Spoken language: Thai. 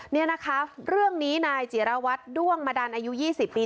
เนี่ยค่ะเรื่องนี้นายเจียรวรรดิ์ด้วงมดรอยู่๒๐ปี